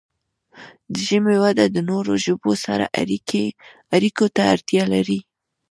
د ژبې وده د نورو ژبو سره اړیکو ته اړتیا لري.